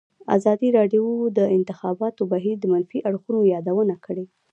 ازادي راډیو د د انتخاباتو بهیر د منفي اړخونو یادونه کړې.